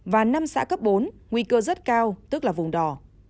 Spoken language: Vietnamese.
và năm xã cấp bốn nguy cơ rất cao tức là vùng đỏ